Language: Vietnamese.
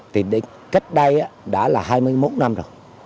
thì cách đây đã là hai mươi một năm rồi